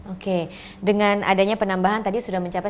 oke dengan adanya penambahan tadi sudah mencapai